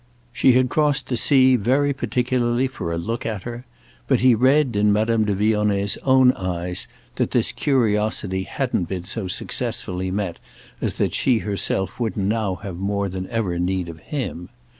She had crossed the sea very particularly for a look at her; but he read in Madame de Vionnet's own eyes that this curiosity hadn't been so successfully met as that she herself wouldn't now have more than ever need of him.